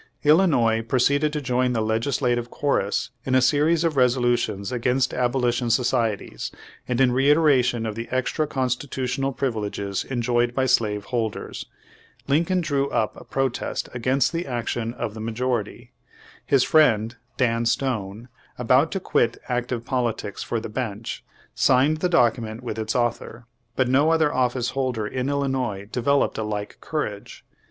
Illinois proceeded to join the legislative chorus in a series of resolutions against abolition societies, and in reiteration of the extra constitutional privileges enjoyed by slave holders. Lincoln drew up a pro test against the action of the majority. His friend, Dan Stone, about to quit active politics for the bench, signed the document with its author, but no other office holder in Illinois de veloped a like courage.